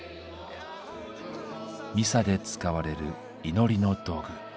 ミサで使われる祈りの道具。